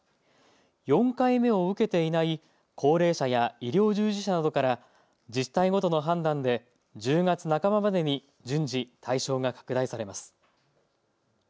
４回目を受けていない高齢者や医療従事者などから自治体ごとの判断で１０月半ばまでに順次対象が拡大されます。